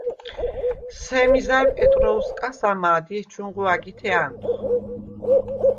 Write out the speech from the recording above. სემი ზა̈ჲ პეტროუ̂სკას ამა̄დ ი ეჩუნღო ა̈გითე ა̈ნტუ̂ხ.